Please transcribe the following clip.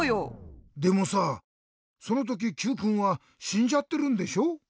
でもさそのときＱくんはしんじゃってるんでしょ？